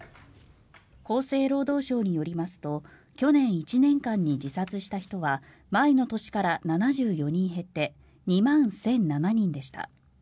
厚生労働省によりますと去年１年間に自殺した人は前の年から７４人減って２万１００７人でした。